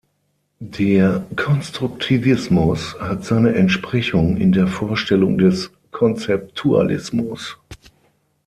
Der Konstruktivismus hat seine Entsprechung in der Vorstellung des Konzeptualismus.